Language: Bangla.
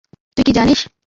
তুই কী জানিস?